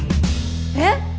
えっ？